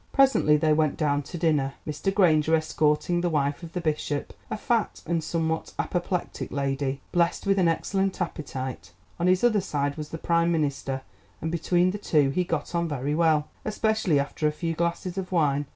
Presently they went down to dinner, Mr. Granger escorting the wife of the Bishop, a fat and somewhat apoplectic lady, blessed with an excellent appetite. On his other side was the Prime Minister, and between the two he got on very well, especially after a few glasses of wine.